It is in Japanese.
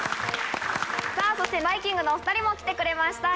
そしてバイきんぐのお２人も来てくれました。